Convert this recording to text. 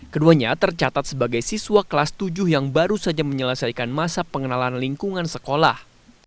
keduanya tercatat sebagai siswa kelas tujuh yang baru saja menyelesaikan masa pengenalan lingkungan sekolah